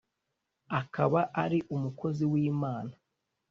akaba ari umukozi w Imana